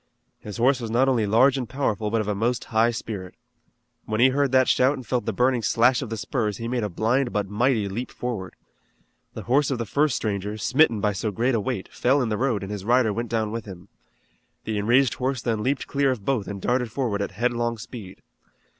His horse was not only large and powerful but of a most high spirit. When he heard that shout and felt the burning slash of the spurs he made a blind but mighty leap forward. The horse of the first stranger, smitten by so great a weight, fell in the road and his rider went down with him. The enraged horse then leaped clear of both and darted forward at headlong speed.